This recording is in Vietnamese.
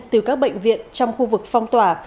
từ các bệnh viện trong khu vực phong tỏa